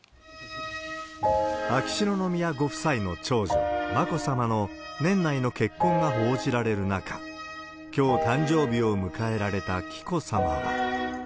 秋篠宮ご夫妻の長女、眞子さまの年内の結婚が報じられる中、きょう、誕生日を迎えられた紀子さまは。